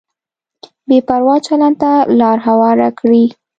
بې پروا چلند ته لار هواره کړي.